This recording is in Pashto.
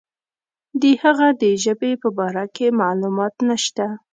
د هغه د ژبې په باره کې معلومات نشته.